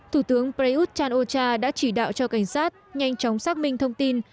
thủ tướng prayuth chan o cha đã chỉ đạo cho cảnh sát nhanh chóng xác minh thông tin